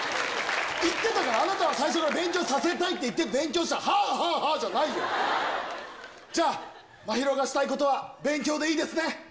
言ってたから、あなたは最初から勉強させたいって言ってた、勉強した、はーはーじゃないよ、じゃあ、真宙がしたいことは、うん。